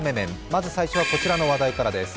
まず最初はこちらの話題からです。